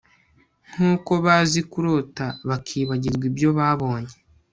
nkuko bazi kurota bakibagirwa ibyo babonye